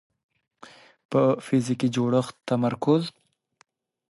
په فزیکي جوړښت تمرکز